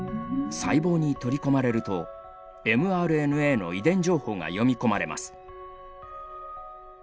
細胞に取り込まれるとｍＲＮＡの遺伝情報が読み込まれます。